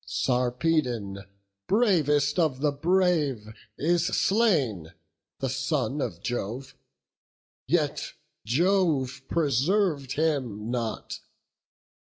Sarpedon, bravest of the brave, is slain, The son of Jove; yet Jove preserv'd him not.